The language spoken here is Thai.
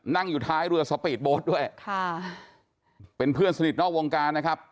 นั่งอยู่ท้ายเรือสปีดโบสต์ด้วยค่ะเป็นเพื่อนสนิทนอกวงการนะครับ